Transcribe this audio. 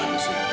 aduh sudah tuh